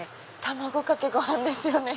卵かけご飯ですよね。